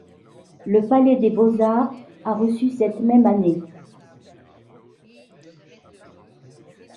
Le palais des Beaux-Arts a reçu cette même année.